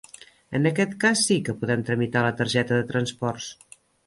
En aquest cas sí que podem tramitar la targeta de transports.